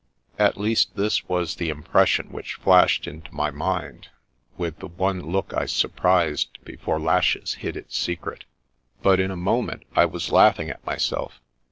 At least this was the impression which flashed into my mind, with the one look I surprised before lashes hid its secret; but in a 126 The Princess Passes mcHnent I was laughing at myself.